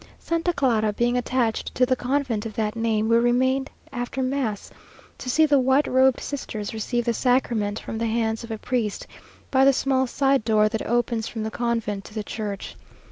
Santa Clara being attached to the convent of that name, we remained after mass to see the white robed sisters receive the sacrament from the hands of a priest, by the small side door that opens from the convent to the church.